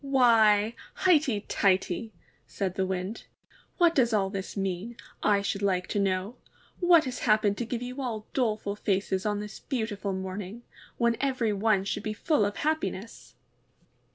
'Why, highty tighty!'' said the Wind. ^What does all this mean, I should like to know? What has happened to give you all doleful faces on this beautiful morning, when every one should be full of happiness?'